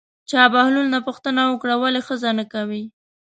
چا بهلول نه پوښتنه وکړه ولې ښځه نه کوې.